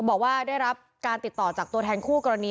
บอกว่าได้รับการติดต่อจากตัวแทนคู่กรณี